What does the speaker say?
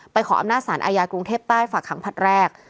ไปขออำนาจสารอายาทกรุงเทพใต้ฝากคำพัดแรก